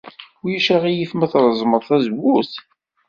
Ulac aɣilif ma treẓmed tazewwut?